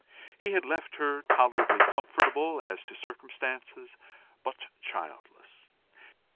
He had left her tolerably comfortable as to circumstances, but childless.